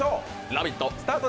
「ラヴィット！」